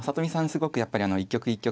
すごくやっぱり一局一局